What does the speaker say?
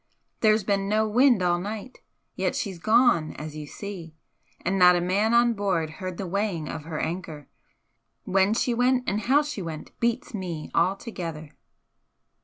There's been no wind all night yet she's gone, as you see and not a man on board heard the weighing of her anchor. When she went and how she went beats me altogether!"